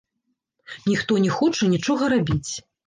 Ніхто не хоча нічога рабіць.